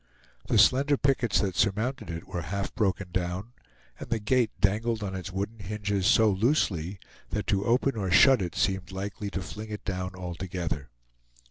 The slender pickets that surmounted it were half broken down, and the gate dangled on its wooden hinges so loosely, that to open or shut it seemed likely to fling it down altogether.